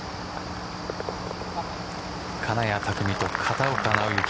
金谷拓実と片岡尚之